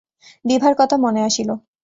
বিভার কথা মনে আসিল।